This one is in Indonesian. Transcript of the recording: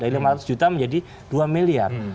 dari lima ratus juta menjadi dua miliar